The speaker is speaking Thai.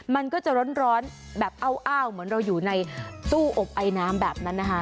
มันก็จะร้อนแบบอ้าวเหมือนเราอยู่ในตู้อบไอน้ำแบบนั้นนะคะ